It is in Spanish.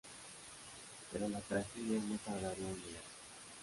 Pero la tragedia no tardaría en llegar.